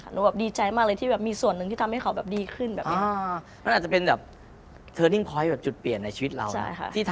เหมือนว่าแบบว่าดีใจมากเลยที่แบบมีส่วนนึงที่ทำให้เขาแบบดีขึ้นแบบนี้